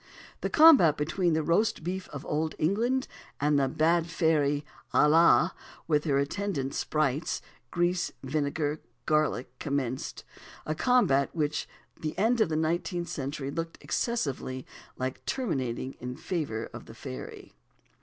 The combat between the Roast Beef of old England and the bad fairy "Ala," with her attendant sprites Grease, Vinegar, and Garlic, commenced; a combat which at the end of the nineteenth century looked excessively like terminating in favour of the fairy.